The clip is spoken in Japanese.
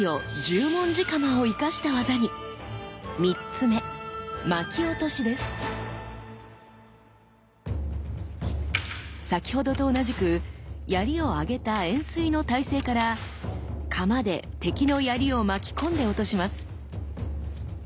３つ目先ほどと同じく槍を上げた円錐の体勢から鎌で敵の槍を巻き込んで落とします。